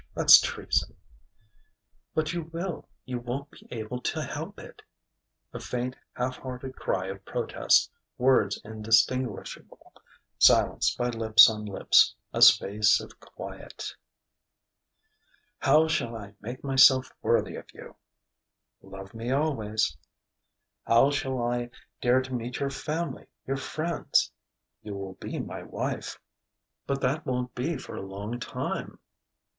That's treason." "But you will you won't be able to help it " A faint, half hearted cry of protest: words indistinguishable, silenced by lips on lips; a space of quiet.... "How shall I make myself worthy of you?" "Love me always." "How shall I dare to meet your family, your friends ?" "You will be my wife." "But that won't be for a long time...."